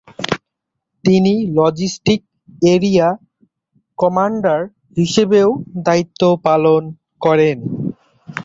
তিনি logistic area commander হিসেবেও দায়িত্ব পালন করেন।